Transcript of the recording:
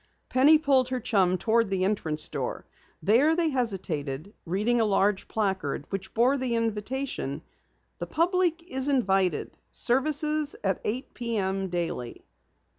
Penny pulled her chum toward the entrance door. There they hesitated, reading a large placard which bore the invitation: _The Public Is Invited. Services at eight p.m. daily.